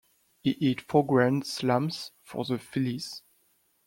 He hit four grand slams for the Phillies.